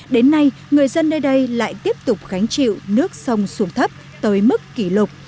đến nay người dân nơi đây lại tiếp tục gánh chịu nước sông xuống thấp tới mức kỷ lục